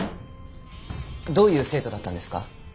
どういう生徒だったんですか？